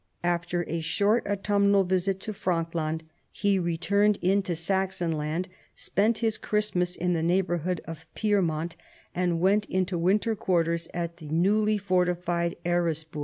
After a short autumnal visit to Frankland, he returned into Saxon land, spent his Christmas in the neighborhood of Pyrmont, and went into winter quarters at the now strongly fortified Eresburg.